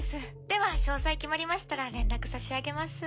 では詳細決まりましたら連絡差し上げます。